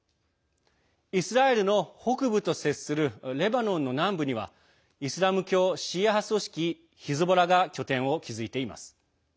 イスラエルの北部と接するレバノンの南部にはイスラム教シーア派組織ヒズボラが拠点を築いています。